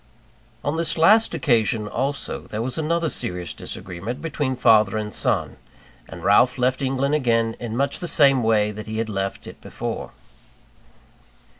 On this last occasion, also, there was another serious disagreement between father and son; and Ralph left England again in much the same way that he had left it before.